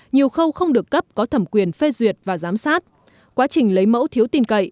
nhiều khâu không được cấp có thẩm quyền phê duyệt và giám sát quá trình lấy mẫu thiếu tin cậy